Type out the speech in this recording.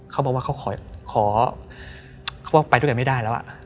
เขาบอกว่าเขาขอเขาว่าไปด้วยกันไม่ได้แล้ว